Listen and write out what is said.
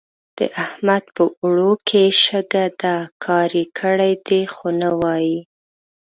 د احمد په اوړو کې شګه ده؛ کار يې کړی دی خو نه وايي.